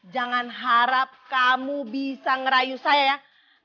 jangan harap kamu bisa ngerayu saya ya